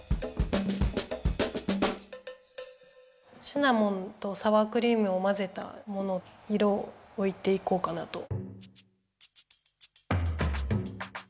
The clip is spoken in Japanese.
シナモンとサワークリームをまぜたもの色をおいていこうかなと。